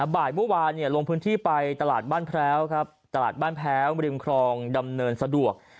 บ่ายเมื่อวานลงพื้นที่ไปตลาดบ้านแพ้วบริมครองดำเนินสะดวก